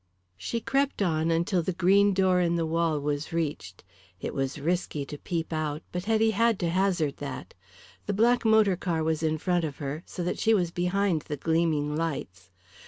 She crept on until the green door in the wall was reached. It was risky to peep out, but Hetty had to hazard that. The black motor car was in front of her, so that she was behind the gleaming lights.